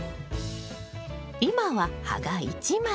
今は葉が１枚。